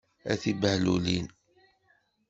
A tibehlulin!